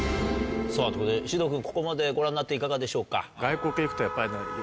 ということで獅童君ここまでご覧になっていかがでしょうか？